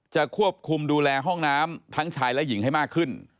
จะควบคุมดูแลห้องน้ำทั้งชายและหญิงให้มากขึ้น